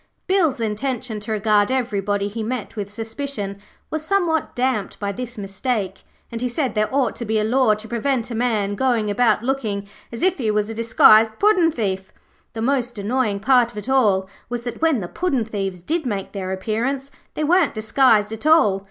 Bill's intention to regard everybody he met with suspicion was somewhat damped by this mistake, and he said there ought to be a law to prevent a man going about looking as if he was a disguised puddin' thief. The most annoying part of it all was that when the puddin' thieves did make their appearance they weren't disguised at all.